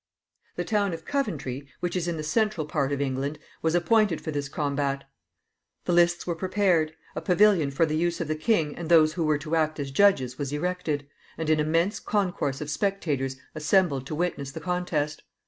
The town of Coventry, which is in the central part of England, was appointed for this combat. The lists were prepared, a pavilion for the use of the king and those who were to act as judges was erected, and an immense concourse of spectators assembled to witness the contest.